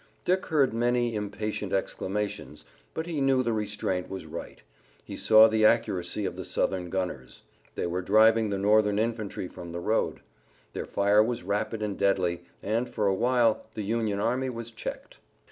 Dick heard many impatient exclamations, but he knew the restraint was right. He saw the accuracy of the Southern gunners. They were driving the Northern infantry from the road. Their fire was rapid and deadly, and, for a while, the Union army was checked.